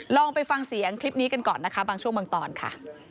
ลองไปฟังเสียงคลิปนี้กันก่อนนะคะบางช่วงบางตอนค่ะ